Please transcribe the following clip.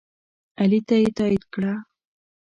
علي ته یې تایید کړه.